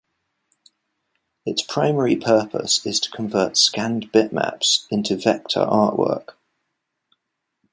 Its primary purpose is to convert scanned bitmaps into vector artwork.